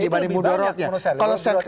dibanding muda rohnya